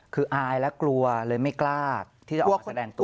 คืออายและกลัวเลยไม่กล้าที่จะออกมาแสดงตัว